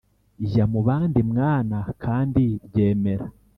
Jya mu bandi mwana kandi ryemera